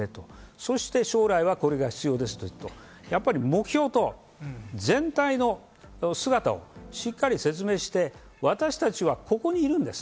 そして将来にはこれが必要ですねと目標と全体の姿をしっかり説明して、私たちはここにいるんです。